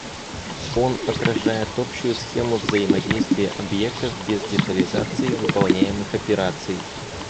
Он отражает общую схему взаимодействия объектов без детализации выполняемых операций